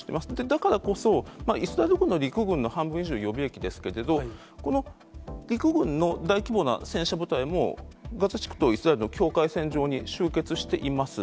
だからこそ、イスラエル軍の陸軍の半分以上、予備役ですけれども、この陸軍の大規模な戦車部隊も、ガザ地区とイスラエルの境界線上に集結しています。